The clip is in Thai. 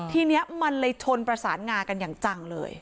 ทีนี้มันเลยชนประสานงากันอย่างจังเลย